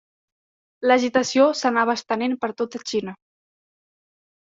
L'agitació s'anava estenent per tota Xina.